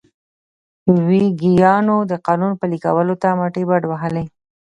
ویګیانو د قانون پلي کولو ته مټې بډ وهلې.